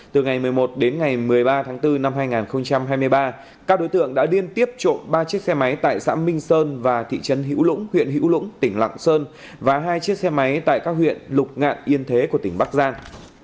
từ ngày một mươi một đến ngày một mươi ba tháng bốn năm hai nghìn hai mươi ba các đối tượng đã liên tiếp trộm ba chiếc xe máy tại xã minh sơn và thị trấn hữu lũng huyện hữu lũng tỉnh lạng sơn và hai chiếc xe máy tại các huyện lục ngạn yên thế của tỉnh bắc giang